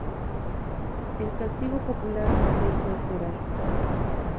El castigo popular no se hizo esperar.